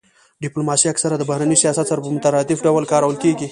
ډیپلوماسي اکثرا د بهرني سیاست سره په مترادف ډول کارول کیږي